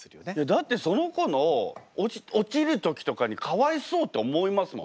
だってその子の落ちる時とかにかわいそうって思いますもん。